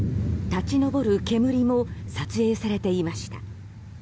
立ち上る煙も撮影されていました。